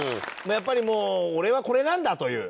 やっぱりもう「俺はこれなんだ」という？